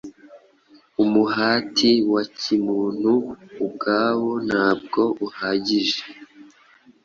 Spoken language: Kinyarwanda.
Umuhati wa kimuntu ubwawo ntabwo uhagije.